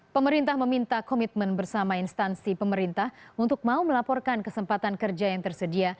pemerintah meminta komitmen bersama instansi pemerintah untuk mau melaporkan kesempatan kerja yang tersedia